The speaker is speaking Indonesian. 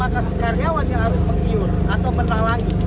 makasih karyawan yang harus meniur atau menalahi